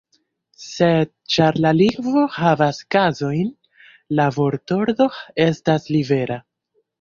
Sed, ĉar la lingvo havas kazojn, la vortordo estas libera.